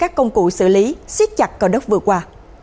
các công cụ xử lý siết chặt có đất vừa qua